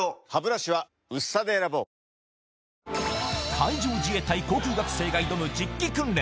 海上自衛隊航空学生が挑む実機訓練